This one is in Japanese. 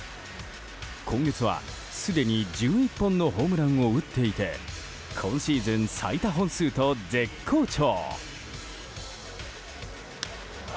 今月はすでに１１本のホームランを打っていて今シーズン最多本数と絶好調！